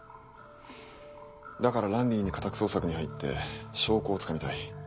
だからランリーに家宅捜索に入って証拠をつかみたい。